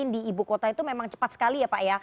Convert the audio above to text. di ibukota itu memang cepat sekali ya pak ya